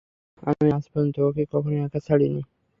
আমি আজ পর্যন্ত ওকে কখনও একা ছাড়িনি।